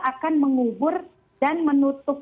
akan mengubur dan menutup